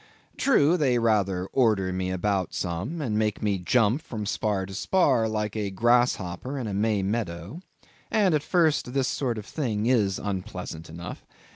True, they rather order me about some, and make me jump from spar to spar, like a grasshopper in a May meadow. And at first, this sort of thing is unpleasant enough.